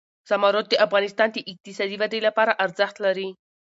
زمرد د افغانستان د اقتصادي ودې لپاره ارزښت لري.